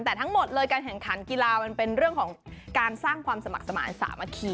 แต่ทั้งหมดเลยการแข่งขันกีฬามันเป็นเรื่องของการสร้างความสมัครสมาธิสามัคคี